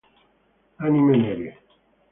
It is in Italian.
Anime nere